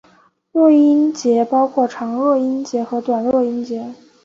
弱音节包括长弱音节和短弱音节。